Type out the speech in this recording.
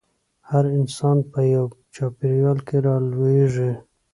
هر انسان په يوه چاپېريال کې رالويېږي.